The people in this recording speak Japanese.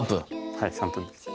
はい３分です。